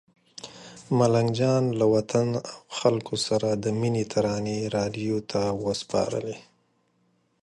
ملنګ جان له وطن او خلکو سره د مینې ترانې راډیو ته وسپارلې.